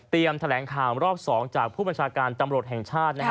แถลงข่าวรอบ๒จากผู้บัญชาการตำรวจแห่งชาติ